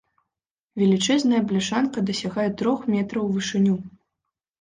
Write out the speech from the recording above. Велічэзная бляшанка дасягае трох метраў у вышыню.